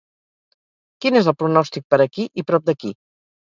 quin és el pronòstic per aquí i prop d'aquí